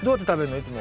いつも。